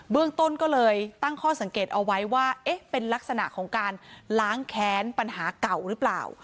เรื่องต้นก็เลยตั้งข้อสังเกตเอาไว้ว่าเอ๊ะเป็นลักษณะของการล้างแค้นปัญหาเก่าหรือเปล่า